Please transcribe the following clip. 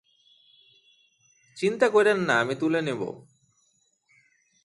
চিন্তা কইরেন না, আমি তুলে নিব।